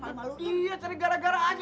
iya jadi gara gara aja